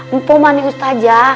empoh mah nih ustadzah